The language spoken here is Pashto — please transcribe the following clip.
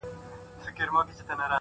نیک اخلاق خاموش عزت زېږوي!